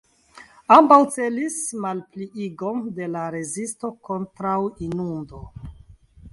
Ambaŭ celis malpliigon de la rezisto kontraŭinundo.